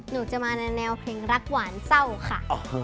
หนูจะมาในแนวเพลงรักหวานเศร้าค่ะ